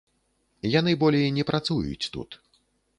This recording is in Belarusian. Яны болей не працуюць тут.